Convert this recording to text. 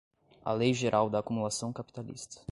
A lei geral da acumulação capitalista